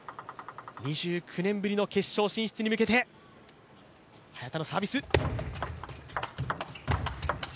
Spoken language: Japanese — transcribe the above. ２９年ぶりの決勝進出に向けて早田のサービス。